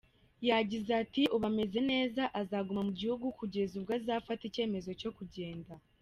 Yagize ati “Ubu ameze neza, azaguma mu gihugu kugeza ubwo azafata icyemezo cyo kugenda.